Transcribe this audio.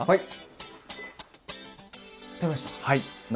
はい。